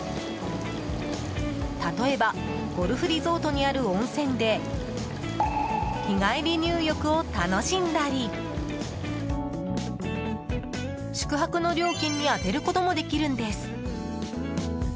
例えば、ゴルフリゾートにある温泉で日帰り入浴を楽しんだり宿泊の料金に充てることもできるんです。